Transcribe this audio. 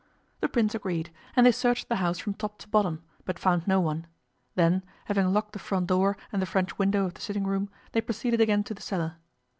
The Prince agreed, and they searched the house from top to bottom, but found no one. Then, having locked the front door and the french window of the sitting room, they proceeded again to the cellar.